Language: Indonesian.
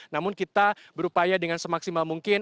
namun kita berupaya dengan semaksimal mungkin